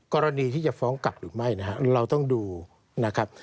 กรณีที่จะฟ้องกลับหรือไม่นะครับเราต้องดูนะครับ